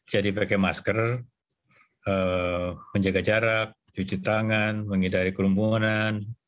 jadi pakai masker menjaga jarak cuci tangan mengidari kerumbunan